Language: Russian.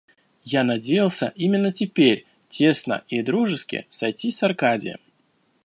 Я надеялся именно теперь тесно и дружески сойтись с Аркадием.